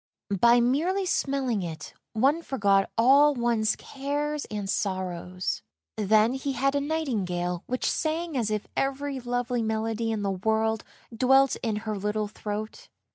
By merely smelling it one forgot all one's cares and sorrows. Then he had a nightingale which sang as if every lovely melody in the world dwelt in her little throat.